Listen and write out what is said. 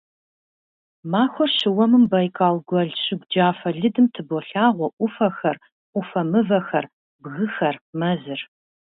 Махуэр щыуэмым Байкал гуэл щыгу джафэ лыдым тыболъагъуэ Ӏуфэхэр, Ӏуфэ мывэхэр, бгыхэр, мэзыр.